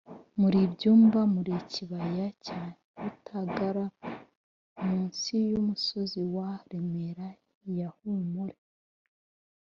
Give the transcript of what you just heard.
muri byumba mu kibaya cya rutagara munsi y’umusozi wa remera ya humure